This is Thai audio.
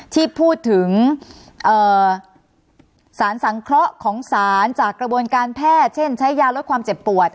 ที่พูดถึงสารสังเคราะห์ของสารจากกระบวนการแพทย์เช่นใช้ยาลดความเจ็บปวด